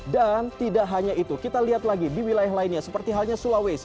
dan tidak hanya itu kita lihat lagi di wilayah lainnya seperti halnya sulawesi